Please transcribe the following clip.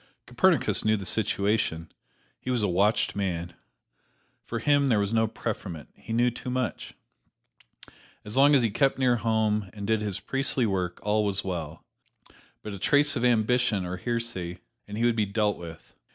Copernicus knew the situation he was a watched man. For him there was no preferment: he knew too much! As long as he kept near home and did his priestly work, all was well; but a trace of ambition or heresy, and he would be dealt with.